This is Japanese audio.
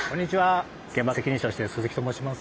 現場責任者をしてる鈴木と申します。